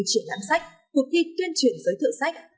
như chuyển đám sách cuộc thi tuyên truyền giới thượng sách